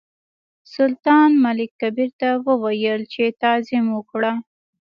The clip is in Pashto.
سلطان ملک کبیر ته وویل چې تعظیم وکړه.